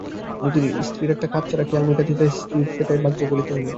যদি নিজের একটা খাপছাড়া খেয়াল মিটাইতে চায়, স্ত্রীর সেটা ভাগ্যই বলিতে হইবে।